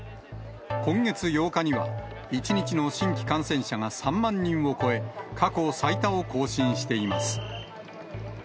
今月８日には、１日の新規感染者が３万人を超え、過去最多を更新しています。